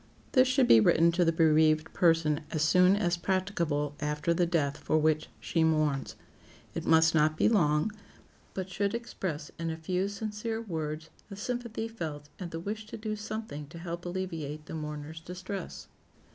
This should be written to the bereaved person as soon as practicable after the death for which she mourns. It must not be long, but should express in a few sincere words the sympathy felt, and the wish to do something to help alleviate the mourner's distress.